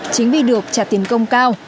chính vì được trả tiền công cao